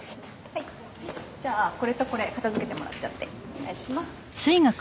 はいじゃあこれとこれ片づけてもらっちゃってお願いします